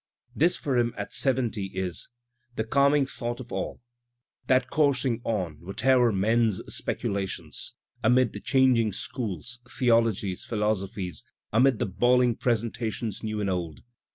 This for him at seventy is THE CALMING THOUGHT OF ALL That coursing on, whatever men's speculations. Amid the changing schools, theologies, philosophies. Amid the bawling presentations new and old.